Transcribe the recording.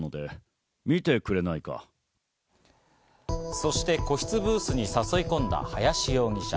そして個室ブースに誘い込んだ林容疑者。